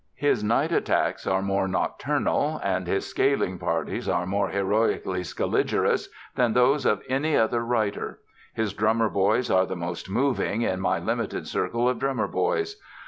His night attacks are more nocturnal, and his scaling parties are more heroically scaligerous than those of any other writer. His drummer boys are the most moving in my limited circle of drummer boys.